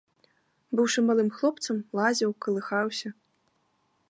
Быўшы малым хлопцам, лазіў, калыхаўся.